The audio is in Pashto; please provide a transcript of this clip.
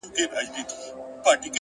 علم د انسان د ذهن ځواک دی.!